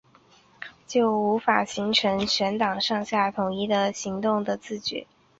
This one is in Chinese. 就无法形成全党上下统一行动的自觉